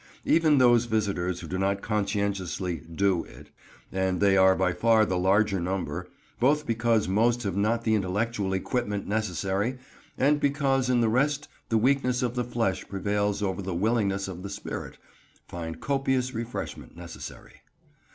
Even those visitors who do not conscientiously "do" it—and they are by far the larger number, both because most have not the intellectual equipment necessary, and because in the rest the weakness of the flesh prevails over the willingness of the spirit—find copious refreshment necessary.